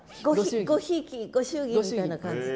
ごひいきご祝儀みたいな感じで？